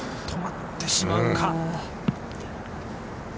止まってしまうか。